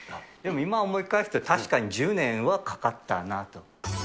今思い返すと、確かに１０年はかかったなと。